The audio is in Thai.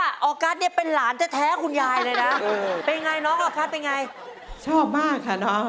น้องก็ให้แม่มาคออย่ารอให้มันนานแรงพี่มีสิทธิ์ไม่เชื่อมา